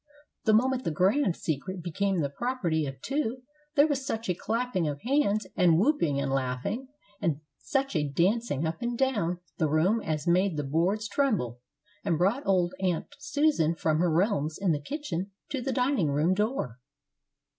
The moment the grand secret became the property of two, there was such a clapping of hands, and whooping and laughing, and such a dancing up and down the room as made the boards tremble, and brought old Aunt Susan from her realms in the kitchen to the dining room door.